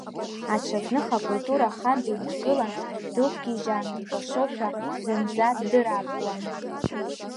Аҽазных, акульутра Ахан дыҩнагылан, дықәгьежьааны дкәашозшәа, зынӡа ддыраапкуан.